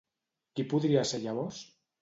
Qui podria ser llavors?